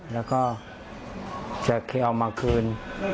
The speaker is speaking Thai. แล้วก็จะเคยเอามาคืน